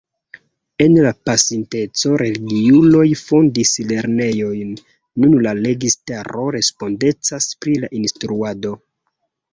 En la pasinteco religiuloj fondis lernejojn; nun la registaro respondecas pri la instruado.